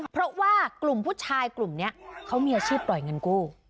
เพราะว่ากลุ่มผู้ชายกลุ่มนี้เขามีอาชีพปล่อยเงินกู้